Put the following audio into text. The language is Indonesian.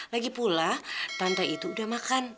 lagi pula pantai itu udah makan